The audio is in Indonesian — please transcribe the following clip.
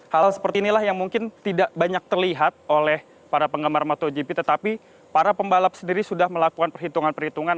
hal seperti inilah yang mungkin tidak banyak terlihat oleh para penggemar motogp tetapi para pembalap sendiri sudah melakukan perhitungan perhitungan